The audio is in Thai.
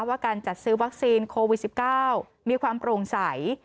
ว่าการจัดซื้อวัคซีนโควิด๑๙มีความโปร่งใส